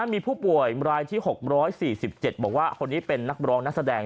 มีผู้ป่วยรายที่๖๔๗บอกว่าคนนี้เป็นนักร้องนักแสดง